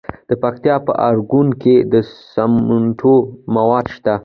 د پکتیکا په ارګون کې د سمنټو مواد شته.